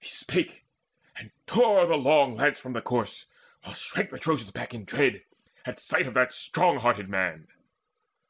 He spake, and tore the long lance from the corse, While shrank the Trojans back in dread, at sight Of that strong hearted man.